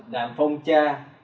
đạm phong cha